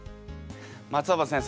松尾葉先生